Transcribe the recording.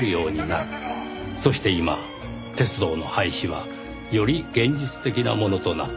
そして今鉄道の廃止はより現実的なものとなった。